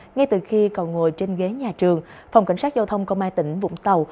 ngay từ khi còn ngồi trên ghế nhà trường phòng cảnh sát giao thông công an tỉnh vũng tàu